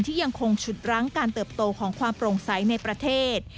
ยังคงฉุดรั้งการเติบโตของความโปร่งใสในประเทศ